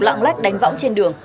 lạng lách đánh võng trên đường